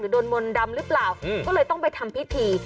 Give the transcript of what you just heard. โดนมนต์ดำหรือเปล่าก็เลยต้องไปทำพิธี